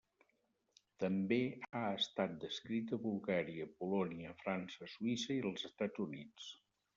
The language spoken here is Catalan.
També ha estat descrita a Bulgària, Polònia, França, Suïssa i els Estats Units.